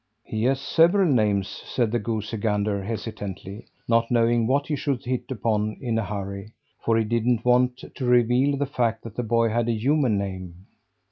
"He has several names," said the goosey gander hesitantly, not knowing what he should hit upon in a hurry, for he didn't want to reveal the fact that the boy had a human name.